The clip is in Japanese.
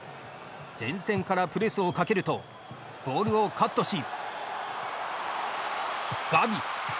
前線からプレスをかけるとボールをカットしガビ！